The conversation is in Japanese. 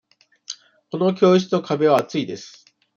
この教室の壁は厚いです。